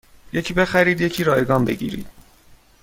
یکی بخرید یکی رایگان بگیرید